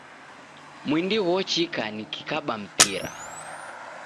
Mwindi ghochika nikikaba mpira